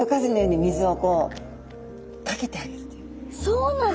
そうなの？